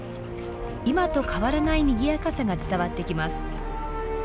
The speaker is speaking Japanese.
今と変わらないにぎやかさが伝わってきます。